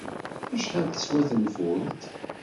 Acḥal teswa tenfult?